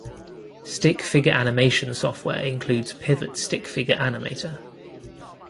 Stick figure animation software includes Pivot Stickfigure Animator.